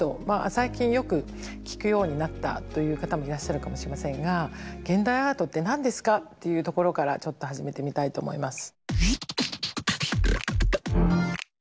最近よく聞くようになったという方もいらっしゃるかもしれませんが「現代アートって何ですか」っていうところからちょっと始めてみたいと思います。